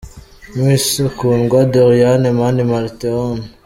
Miss Kundwa Doriane, Mani Martin, Hon.